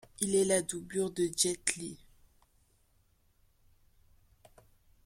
Il est la doublure de Jet Li.